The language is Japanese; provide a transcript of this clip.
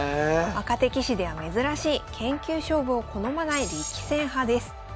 若手棋士では珍しい研究勝負を好まない力戦派です。